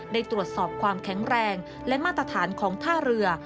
ได้ตรวจสอบความแข็งแรงและมาตรฐานของท่าเรือ